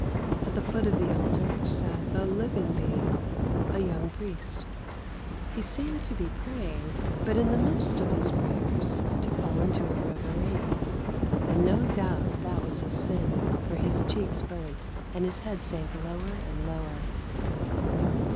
At the foot .of the altar sat a living being, a young priest. He seemed to be praying, but in the midst of his prayers to fall into a reverie ; and no doubt that was a sin, for his cheeks burnt, and his head sank lower and lower.